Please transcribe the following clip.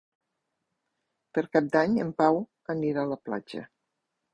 Per Cap d'Any en Pau anirà a la platja.